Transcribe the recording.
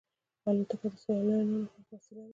الوتکه د سیلانیانو خوښه وسیله ده.